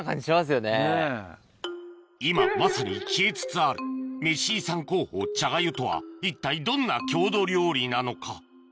今まさに消えつつあるメシ遺産候補チャガユとは一体どんな郷土料理なのか？